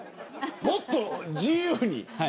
もっと自由に。